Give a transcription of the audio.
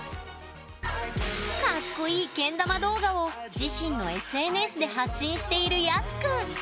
カッコいいけん玉動画を自身のＳＮＳで発信しているＹＡＳＵくん。